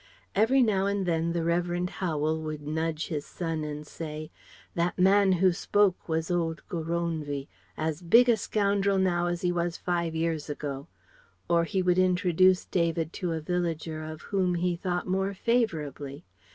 Every now and then the Revd. Howel would nudge his son and say: "That man who spoke was old Goronwy, as big a scoundrel now as he was five years ago," or he would introduce David to a villager of whom he thought more favourably.